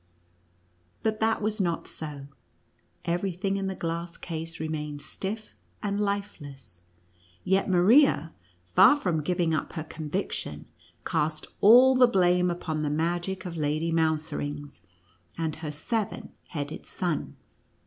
But that was not so ; every thing in the glass case remained stiff and lifeless ; yet Maria, far from giving up her conviction, cast all the blame upon the magic of Lady Mouserings and her seven headed son.